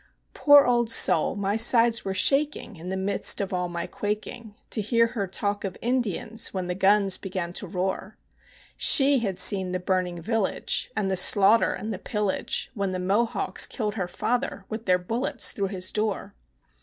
Poor old soul! my sides were shaking in the midst of all my quaking, To hear her talk of Indians when the guns began to roar: She had seen the burning village, and the slaughter and the pillage, When the Mohawks killed her father with their bullets through his door.